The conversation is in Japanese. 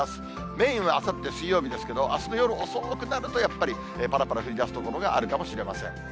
メインはあさって水曜日ですけど、あすの夜遅くなると、やっぱりぱらぱら降りだす所があるかもしれません。